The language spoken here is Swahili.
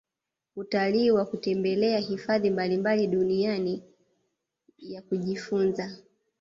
Utalii wa kutembelea hifadhi mbalimbali duniani i jia ya kujifunza